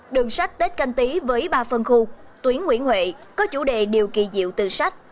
đường sách tết canh tí với ba phân khu tuyến nguyễn huệ có chủ đề điều kỳ diệu từ sách